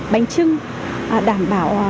bánh trưng đảm bảo